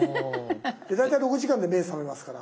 大体６時間で目覚めますから。